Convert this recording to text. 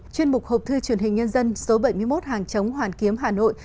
chuyên mục học thư truyền hình nhân dân số bảy mươi một hàng chống hoàn kiếm hà nội